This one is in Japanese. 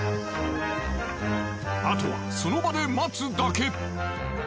あとはその場で待つだけ。